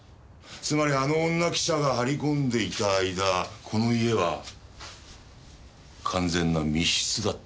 つまりあの女記者が張り込んでいた間この家は完全な密室だった。